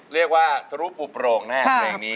เรียกว่าทรุปอุปโรงแน่ในเรื่องนี้